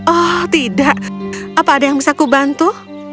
oh tidak apa ada yang bisa kubantu